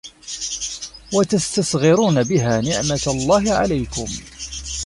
وَتَسْتَصْغِرُونَ بِهَا نِعْمَةَ اللَّهِ عَلَيْكُمْ